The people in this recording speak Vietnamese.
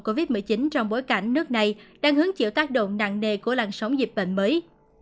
covid một mươi chín trong bối cảnh nước này đang hứng chịu tác động nặng nề của làn sóng dịch bệnh mới